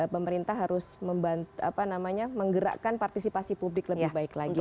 pemerintah harus menggerakkan partisipasi publik lebih baik lagi